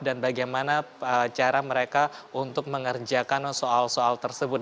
dan bagaimana cara mereka untuk mengerjakan soal soal tersebut